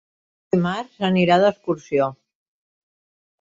Dimarts anirà d'excursió.